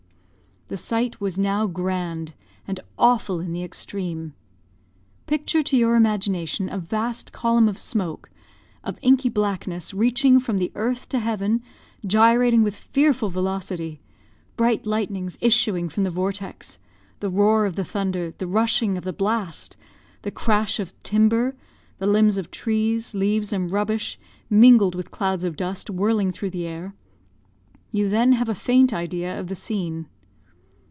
The sight was now grand, and awful in the extreme. Picture to your imagination a vast column of smoke, of inky blackness, reaching from the earth to heaven, gyrating with fearful velocity bright lightnings issuing from the vortex the roar of the thunder the rushing of the blast the crash of timber the limbs of trees, leaves and rubbish, mingled with clouds of dust, whirling through the air; you then have a faint idea of the scene.